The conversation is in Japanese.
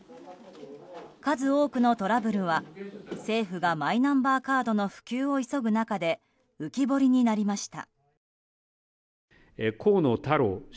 数多くのトラブルは政府がマイナンバーカードの普及を急ぐ中で浮き彫りになりました。